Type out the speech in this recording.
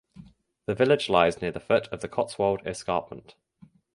The village lies near the foot of the Cotswold escarpment.